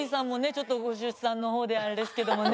ちょっとご出産の方であれですけどもね。